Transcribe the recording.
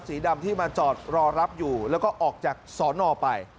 สีดำที่มาจอดรอรับอยู่แล้วก็ออกจากสอนอไป